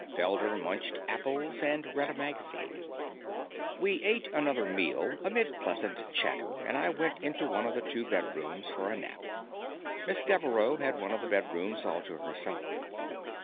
Felder munched apples and read a magazine. We ate another meal amid pleasant chatter, and I went into one of the two bedrooms for a nap. Miss Devereaux had one of the bedrooms all to herself.